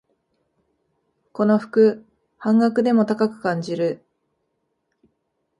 この服、半額でも高く感じる